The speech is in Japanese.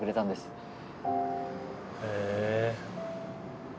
へえ。